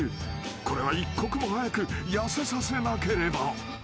［これは一刻も早く痩せさせなければ］